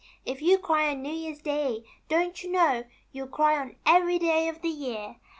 If you cry on New Year's day, don't you know, you'll cry on every day of the year.